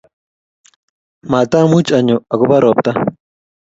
matamuuch anyoo agoba ropta